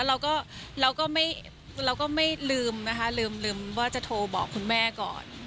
เราก็ไม่ลืมนะคะลืมว่าจะโทรบอกคุณแม่ก่อน